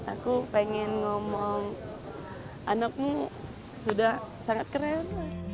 aku pengen ngomong anakmu sudah sangat keren